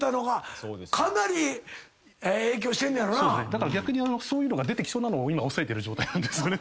だから逆にそういうのが出てきそうなのを今抑えてる状態なんですよね。